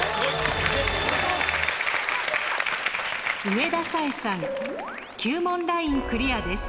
上田彩瑛さん９問ラインクリアです。